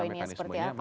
poin poinnya seperti apa